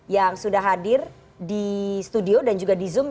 yang sudah hadir di studio dan juga di zoom